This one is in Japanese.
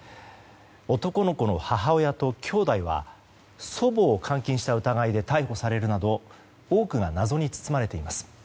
男の子の母親ときょうだいは祖母を監禁した疑いで逮捕されるなど多くが謎に包まれています。